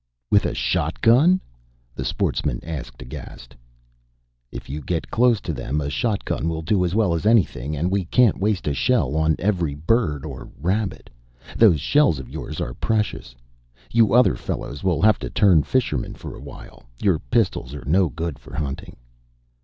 "With a shotgun?" the sportsman asked, aghast. "If you get close to them a shotgun will do as well as anything, and we can't waste a shell on every bird or rabbit. Those shells of yours are precious. You other fellows will have to turn fishermen for a while. Your pistols are no good for hunting."